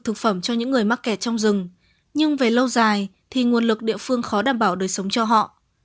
thực phẩm cho những người mắc kẹt trong rừng nhưng về lâu dài thì nguồn lực địa phương khó đảm bảo đời sống cho họ